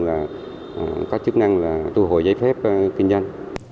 là có chức năng là thu hồi giấy phép kinh doanh